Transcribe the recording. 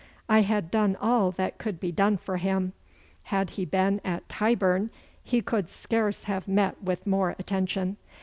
I had done all that could be done for him. Had he been at Tyburn he could scarce have met with more attention.